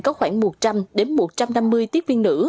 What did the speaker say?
có khoảng một trăm linh một trăm năm mươi tiếp viên nữ